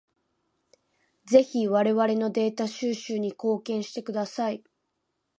ぜひ我々のデータ収集に貢献してください。